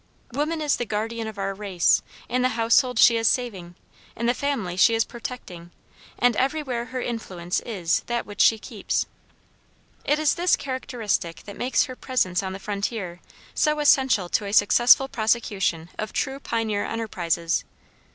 Woman is the guardian of our race. In the household she is saving; in the family she is protecting, and everywhere her influence is that which keeps. It is this characteristic that makes her presence on the frontier so essential to a successful prosecution of true pioneer enterprises.